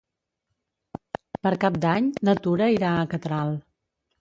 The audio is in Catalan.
Per Cap d'Any na Tura irà a Catral.